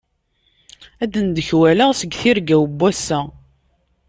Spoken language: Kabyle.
Ad d-ndekwaleɣ seg tirga-w n wass.